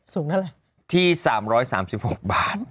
สูงที่อะไรที่๓๓๖บาท